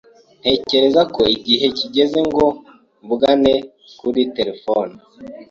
Ntekereza ko igihe kigeze ngo mvugane kuri terefone.